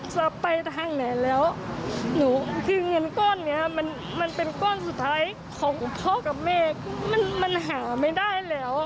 ที่เขาเอาของพี่ภรกลงไป